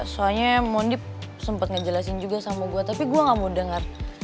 soalnya mondi sempet ngejelasin juga sama gua tapi gua gak mau denger